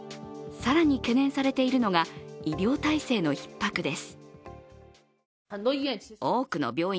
更に懸念されているのが医療体制のひっ迫です。